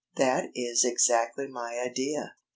"That is exactly my idea."